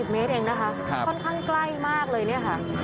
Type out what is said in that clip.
เมตรเองนะคะค่อนข้างใกล้มากเลยเนี่ยค่ะ